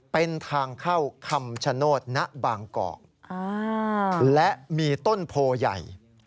เป็นทางเข้าคำชโนธณบางกอกและมีต้นโพใหญ่